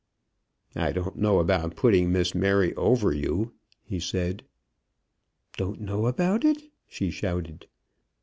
"I don't know about putting Miss Mary over you," he said. "Don't know about it!" she shouted.